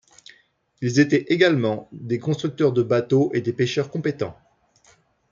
Ils étaient également des constructeurs de bateaux et des pêcheurs compétents.